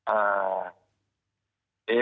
อ่า